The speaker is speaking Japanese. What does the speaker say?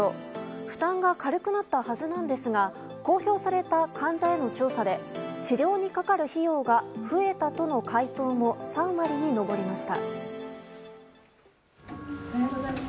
負担が軽くなったはずなんですが公表された患者への調査で治療にかかる費用が増えたとの回答も３割に上りました。